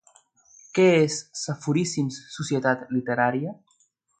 Què és Saforíssims Societat literària?